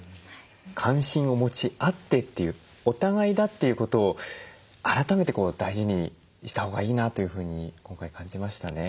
関心を持ち合ってっていうお互いだっていうことを改めて大事にしたほうがいいなというふうに今回感じましたね。